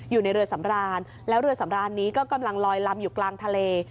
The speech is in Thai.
อยู่ในเรือสำรานแล้วเรือสำรานนี้ก็กำลังลอยลำอยู่กลางทะเล